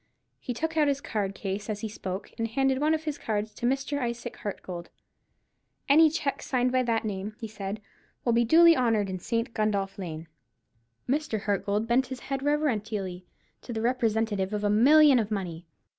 He took out his card case as he spoke, and handed one of his cards to Mr. Isaac Hartgold. "Any cheques signed by that name," he said, "will be duly honoured in St. Gundolph Lane." Mr. Hartgold bent his head reverentially to the representative of a million of money.